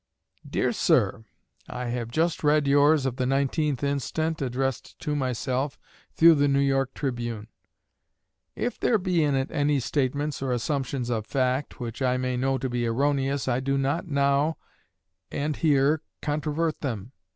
DEAR SIR: I have just read yours of the 19th instant, addressed to myself, through the New York Tribune. If there be in it any statements or assumptions of fact, which I may know to be erroneous, I do not now and here controvert them.